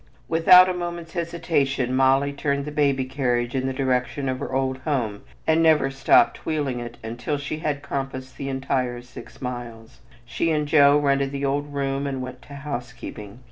Without a moment's hesitation Molly turned the baby carriage in the direction of her old home and never stopped wheeling it until she had compassed the entire six miles. She and Joe rented the old room and went to housekeeping.